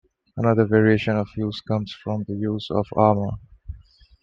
Another variation of use comes from the use of armour.